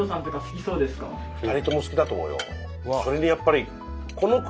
２人とも好きだと思うよ。